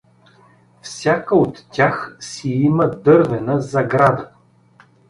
Всяка от тях си има дървена заграда.